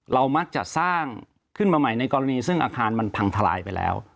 มักจะสร้างขึ้นมาใหม่ในกรณีซึ่งอาคารมันพังทลายไปแล้ว